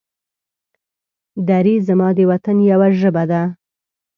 دري زما د وطن يوه ژبه ده.